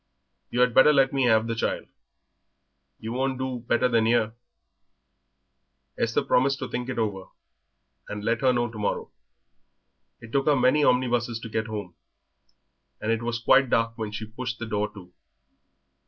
You had better let me have the child; you won't do better than 'ere." Esther promised to think it over and let her know to morrow. It took her many omnibuses to get home, and it was quite dark when she pushed the door to.